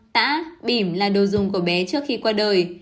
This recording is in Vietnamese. tả bìm là đồ dùng của bé trước khi qua đời